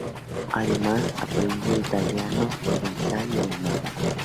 Además, aprendió italiano, provenzal y alemán.